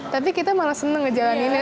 tapi kita malah seneng ngejalaninnya